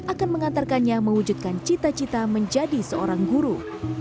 akan mengantarkannya mewujudkan cita cita menjadi seorang guru